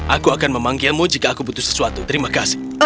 aku akan memanggilmu jika aku butuh sesuatu terima kasih